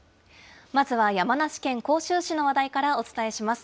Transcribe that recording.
まずは山梨県甲州市の話題からお伝えします。